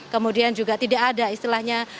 kemudian juga tidak ada istilahnya